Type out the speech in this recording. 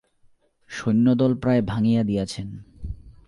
সৈন্যদল প্রায় ভাঙিয়া দিয়াছেন।